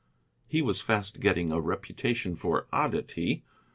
He was fast getting a reputation for oddity.